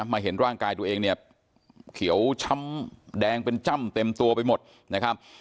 เห็นร่างกายตัวเองเนี่ยเขียวช้ำแดงเป็นจ้ำเต็มตัวไปหมดนะครับ